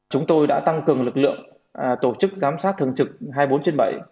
chúng tôi đã tăng cường lực lượng tổ chức giám sát thường trực hai mươi bốn trên bảy